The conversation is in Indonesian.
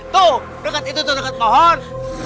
toh dekat itu tuh dekat pohon